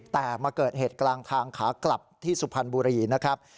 แต่มาเกิดเหตุกลางทางขากลับที่สุพรรณบุรีนะครับ